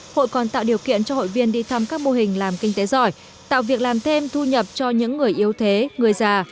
hội còn tạo điều kiện cho hội viên đi thăm các mô hình làm kinh tế giỏi tạo việc làm thêm thu nhập cho những người yếu thế người già